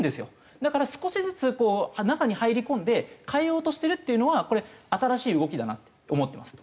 だから少しずつこう中に入り込んで変えようとしてるっていうのはこれ新しい動きだなって思ってますと。